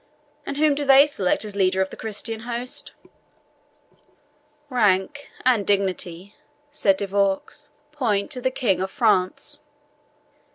And whom do they select as leader of the Christian host?" "Rank and dignity," said De Vaux, "point to the King of France."